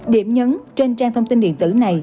điểm nhấn trên trang thông tin điện tử này